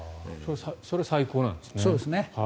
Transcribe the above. それが最高なんですね。